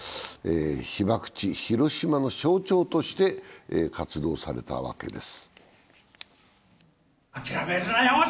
被爆地ヒロシマの象徴として活動されたわけです。